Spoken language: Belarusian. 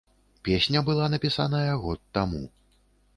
Песня была напісаная год таму.